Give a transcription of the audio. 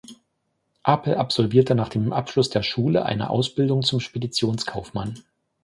Apel absolvierte nach dem Abschluss der Schule eine Ausbildung zum Speditionskaufmann.